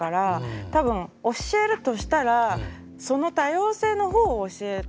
多分教えるとしたらその多様性の方を教えた方が。